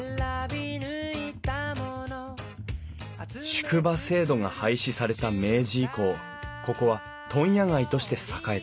宿場制度が廃止された明治以降ここは問屋街として栄えた。